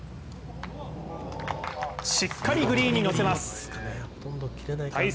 しっかりグリーンに乗せます。